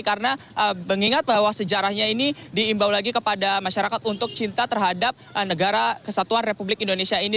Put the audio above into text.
karena mengingat bahwa sejarahnya ini diimbau lagi kepada masyarakat untuk cinta terhadap negara kesatuan republik indonesia ini